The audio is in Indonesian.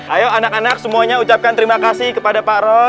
ayo anak anak semuanya ucapkan terima kasih kepada pak roy